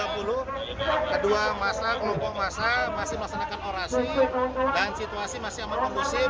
lima belas tiga puluh kedua kelompok masa masih melaksanakan orasi dan situasi masih amat mengusip